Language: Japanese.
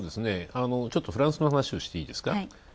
ちょっとフランスの話をしていいですか。